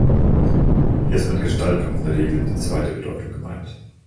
Hier ist mit Gestaltung in der Regel die zweite Bedeutung gemeint.